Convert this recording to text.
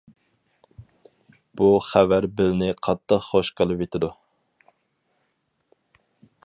بۇ خەۋەر بېلنى قاتتىق خوش قىلىۋېتىدۇ.